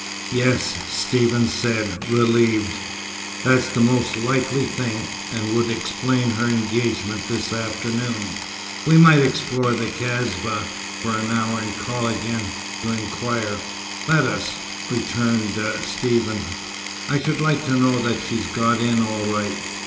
"Yes," Stephen said, relieved. "That's the most likely thing, and would explain her engagement this afternoon." "We might explore the Kasbah for an hour, and call again, to inquire." "Let us," returned Stephen. "I should like to know that she's got in all right."